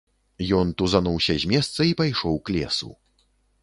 Ён тузануўся з месца і пайшоў к лесу.